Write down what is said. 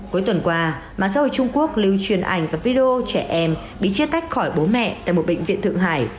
cuối tuần qua mạng xã hội trung quốc lưu truyền ảnh và video trẻ em bị chia tách khỏi bố mẹ tại một bệnh viện thượng hải